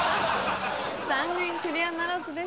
残念クリアならずです。